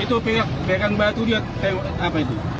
itu pegang batu lihat apa itu